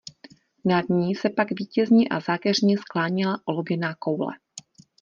Nad ní se pak vítězně a zákeřně skláněla olověná koule.